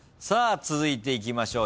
続いていきましょう。